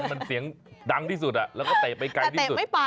มันเสียงดังที่สุดแล้วก็เตะไปไกลที่สุด